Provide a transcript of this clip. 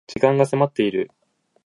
時間が迫っている